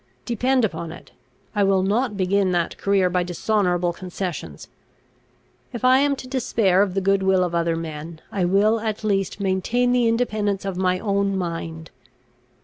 Depend upon it, I will not begin that career by dishonourable concessions. If I am to despair of the good will of other men, I will at least maintain the independence of my own mind.